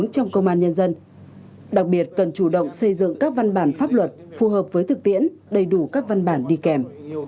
trong công an nhân dân đặc biệt cần chủ động xây dựng các văn bản pháp luật phù hợp với thực tiễn đầy đủ các văn bản đi kèm